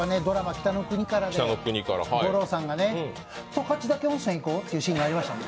「北の国から」で五郎さんが「十勝岳温泉行こう」ってシーンがありましたね。